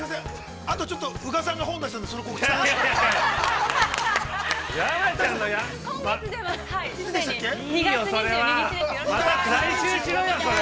あとちょっと宇賀さんが本を出したんでその告知を。